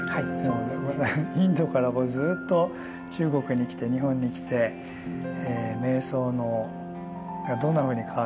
インドからこうずっと中国に来て日本に来て瞑想がどんなふうに変わってきたか。